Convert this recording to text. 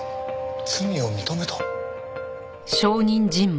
罪を認めた。